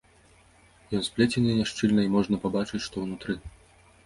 Ён сплецены няшчыльна, і можна пабачыць, што ўнутры.